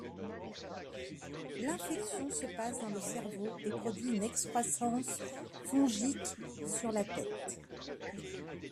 L’infection se passe dans le cerveau et produit une excroissance fongique sur la tête.